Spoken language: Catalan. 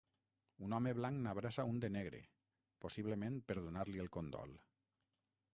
Un home blanc n'abraça un de negre, possiblement per donar-li el condol.